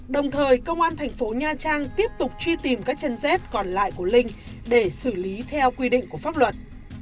đồng thời công an thành phố nha trang tiếp tục truy tìm các chân dép còn lại của linh để xử lý theo quy định của pháp luật